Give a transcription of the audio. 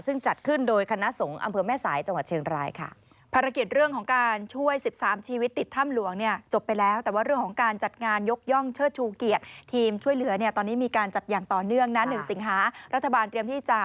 ซึ่งจัดขึ้นโดยคณะสงฆ์อำเภอแม่สายจังหวัดเชียงรายค่ะ